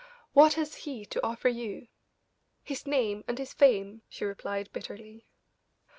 What has he to offer you?" "His name and his fame," she replied, bitterly.